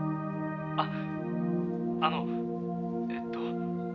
「あっあのえーと」